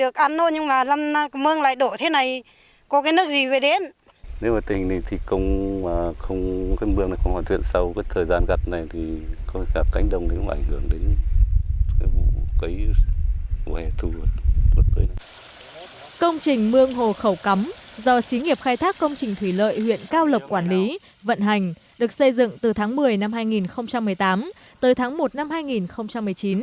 công trình mương hồ khẩu cắm do xí nghiệp khai thác công trình thủy lợi huyện cao lộc quản lý vận hành được xây dựng từ tháng một mươi năm hai nghìn một mươi tám tới tháng một năm hai nghìn một mươi chín